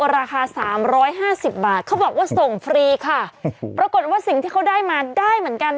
ราคาสามร้อยห้าสิบบาทเขาบอกว่าส่งฟรีค่ะปรากฏว่าสิ่งที่เขาได้มาได้เหมือนกัน